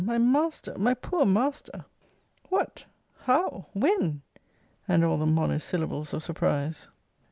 my master! my poor master! What! How! When! and all the monosyllables of surprize.